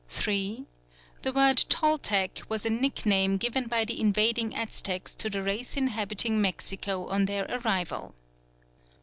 3. The word "Toltec" was a nickname given by the invading Aztecs to the race inhabiting Mexico on their arrival.